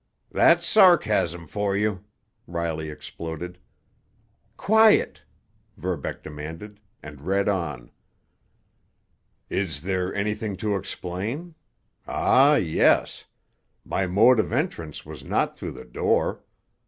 "That's sarcasm for you!" Riley exploded. "Quiet!" Verbeck demanded, and read on: "Is there anything to explain? Ah, yes! My mode of entrance was not through the door.